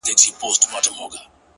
• پر دنيا چي خداى كرلي دي قومونه ,